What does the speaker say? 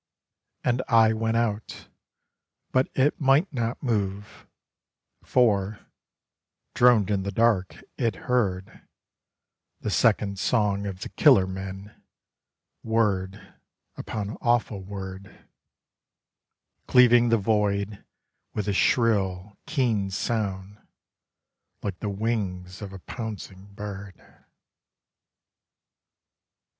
And Eye went out. But It might not move; for, droned in the dark, It heard The Second Song of the Killer men word upon awful word Cleaving the void with a shrill, keen sound like the wings of a pouncing bird.